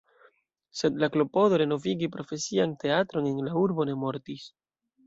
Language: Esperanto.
Sed la klopodo renovigi profesian teatron en la urbo ne mortis.